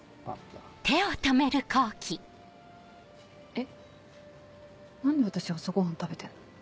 えっ何で私朝ごはん食べてんの？